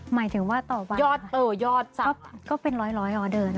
หมายถึงว่าต่อบันยอดเต๋อยอดสักก็เป็นร้อยร้อยออเดอร์นะ